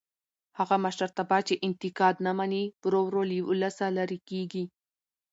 هغه مشرتابه چې انتقاد نه مني ورو ورو له ولسه لرې کېږي